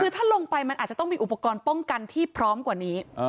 คือถ้าลงไปมันอาจจะต้องมีอุปกรณ์ป้องกันที่พร้อมกว่านี้